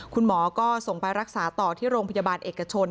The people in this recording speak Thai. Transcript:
คุณหมอก็ส่งไปรักษาต่อที่โรงพยาบาลเอกชน